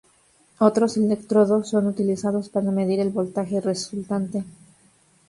Otros electrodos son utilizados para medir el voltaje resultante.